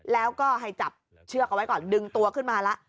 แล้วก็ให้จับเชือกเอาไว้ก่อนดึงตัวขึ้นมาแล้ว